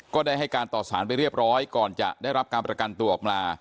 ก็ได้ให้การต่อสารไปเรียบร้อยก่อนจะได้รับการประกันตัวออกมา